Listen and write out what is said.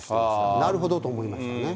なるほどと思いましたね。